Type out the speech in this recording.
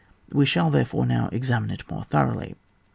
We shall therefore now examine it more thoroughly.